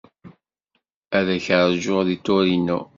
Ad k-ṛjuɣ deg Torino.